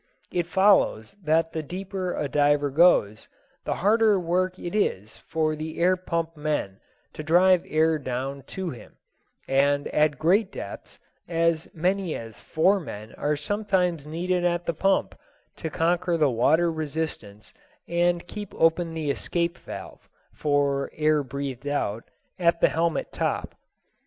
It follows that the deeper a diver goes, the harder work it is for the air pump men to drive air down to him; and at great depths as many as four men are sometimes needed at the pump to conquer the water resistance and keep open the escape valve (for air breathed out) at the helmet top.